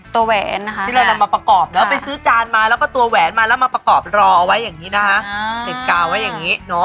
เตรียมพร้อมจากการเกี่ยวกับการปั้น